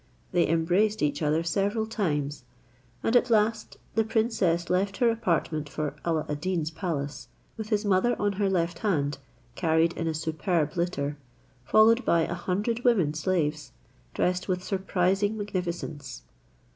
They embraced each other several times, and at last the princess left her own apartment for Alla ad Deen's palace, with his mother on her left hand carried in a superb litter, followed by a hundred women slaves, dressed with surprising magnificence.